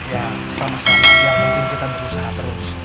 ya sama sama yang penting kita berusaha terus